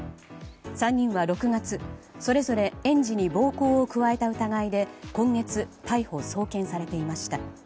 ３人が６月、それぞれ園児に暴行を加えた疑いで今月逮捕・送検されていました。